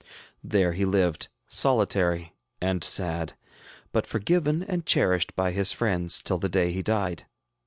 There he lived, solitary and sad, but forgiven and cherished by his friends, till the day he died.